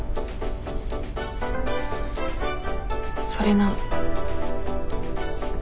それなの。